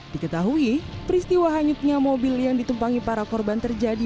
diketahui peristiwa hanyutnya mobil yang ditumpangi para korban terjadi